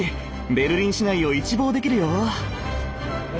ベルリン市内を一望できるよ。